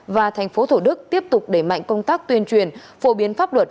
và thành phố thủ đức tiếp tục đẩy mạnh công tác tuyên truyền phổ biến pháp luật